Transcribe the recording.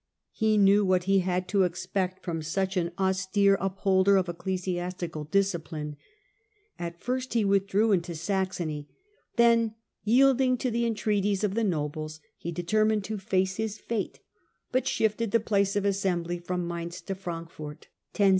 He knew what he had to expect from such an austere upholder of ecclesiastical discipline. At first he withdrew into Saxony ; then, yielding to the entreaties of the nobles, he determined to face his fate, but shifted the place of assembly from Mainz to Frankfurt.